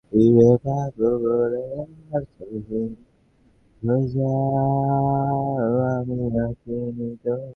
ও পারের নিবিড় গাছগুলির মধ্যে কালিমা ঘনীভূত।